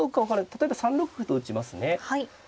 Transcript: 例えば３六歩と打ちますね。